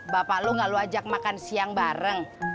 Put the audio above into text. bapak lu gak lu ajak makan siang bareng